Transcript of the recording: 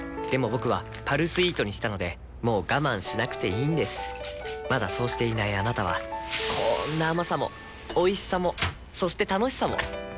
僕は「パルスイート」にしたのでもう我慢しなくていいんですまだそうしていないあなたはこんな甘さもおいしさもそして楽しさもあちっ。